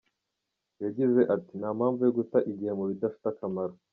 Yagize ati “Nta mpamvu yo guta igihe mu bidafite umumaro.